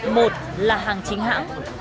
một là hàng chính hãng hai là hàng giá rẻ